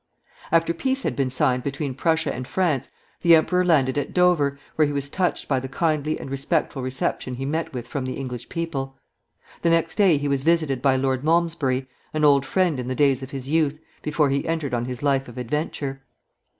After peace had been signed between Prussia and France, the emperor landed at Dover, where he was touched by the kindly and respectful reception he met with from the English people. The next day he was visited by Lord Malmesbury, an old friend in the days of his youth, before he entered on his life of adventure.